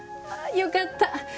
ああよかった。